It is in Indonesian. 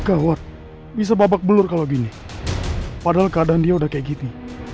hai gawat bisa babak belur kalau gini padahal keadaan dia udah kayak gini